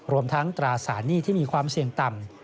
รวมทั้งตราสารหนี้ที่มีความเสี่ยงต่ำ